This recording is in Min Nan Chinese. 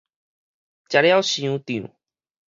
食了傷脹